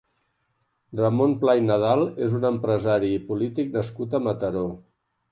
Ramon Pla i Nadal és un empresari i polític nascut a Mataró.